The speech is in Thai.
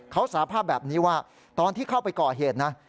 เขาสาภาพแบบนี้ว่าตอนที่เข้าไปก่อเหตุนะ